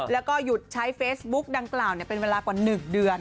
แล้วก็หยุดใช้เฟซบุ๊กดังกล่าวเป็นเวลากว่า๑เดือน